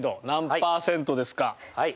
はい。